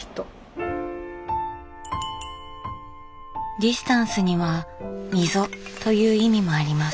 ディスタンスには「溝」という意味もあります。